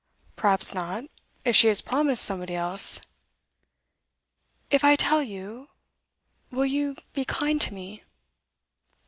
'Perhaps not if she has promised somebody else.' 'If I tell you will you be kind to me?